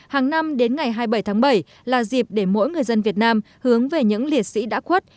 hàng năm đến ngày hai mươi bảy tháng bảy là dịp để mỗi người dân việt nam hướng về những liệt sĩ đã khuất